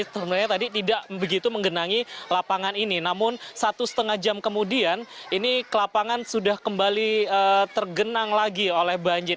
sebenarnya tadi tidak begitu menggenangi lapangan ini namun satu setengah jam kemudian ini ke lapangan sudah kembali tergenang lagi oleh banjir